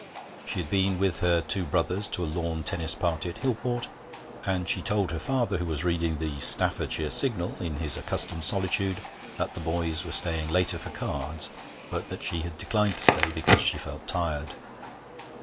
She had been with her two brothers to a lawn tennis party at Hillport, and she told her father, who was reading the Staffordshire Signal in his accustomed solitude, that the boys were staying later for cards, but that she had declined to stay because she felt tired.